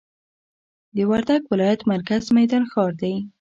د وردګ ولایت مرکز میدان ښار دي.